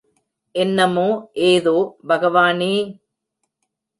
என்னமோ ஏதோ, பகவானே!